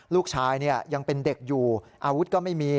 ลูกชายยังเป็นเด็กอยู่อาวุธก็ไม่มี